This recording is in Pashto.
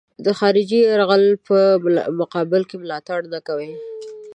د خارجي یرغلګر په مقابل کې ملاتړ نه کوي.